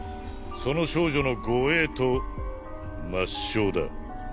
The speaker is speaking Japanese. その少女の護衛と抹消だ。